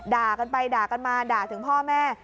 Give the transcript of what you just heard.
ด่ากันไปด่ากันมาด่าถึงพ่อแม่